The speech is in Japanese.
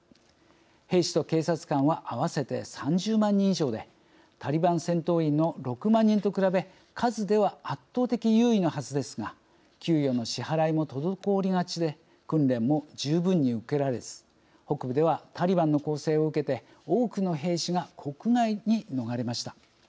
兵士と警察官は合わせて３０万人以上でタリバン戦闘員の６万人と比べ数では圧倒的優位のはずですが給与の支払いも滞りがちで訓練も十分に受けられず北部ではタリバンの攻勢を受けて多くの兵士が国外に逃れました。